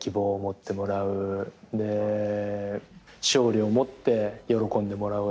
で勝利をもって喜んでもらう。